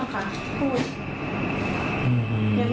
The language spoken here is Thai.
อันดับที่สุดท้าย